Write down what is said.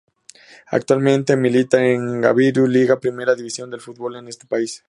Actualmente milita en la Gambrinus liga, primera división del fútbol en ese país.